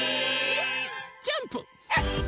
ジャンプ。